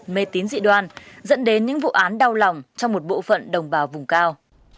mê tín dị đoan dẫn đến những vụ án đau lòng trong một bộ phận đồng bào vùng cao